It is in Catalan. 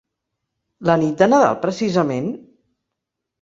La nit de Nadal precisament?